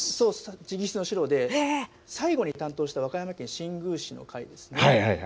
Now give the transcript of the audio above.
直筆の資料で、最後に担当した和歌山県新宮市の回ですね。